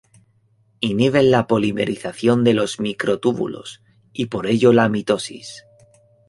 Inhiben la polimerización de los microtúbulos y por ello la mitosis.